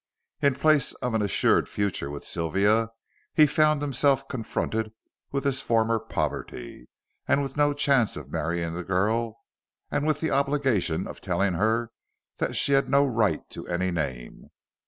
In place of an assured future with Sylvia, he found himself confronted with his former poverty, with no chance of marrying the girl, and with the obligation of telling her that she had no right to any name.